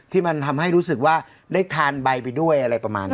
ที่มันทำให้รู้สึกว่าได้ทานใบไปด้วยอะไรประมาณนั้น